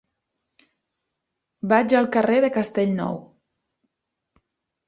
Vaig al carrer de Castellnou.